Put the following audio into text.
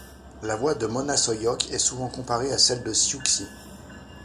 La voix de Mona Soyoc est souvent comparée à celle de Siouxsie.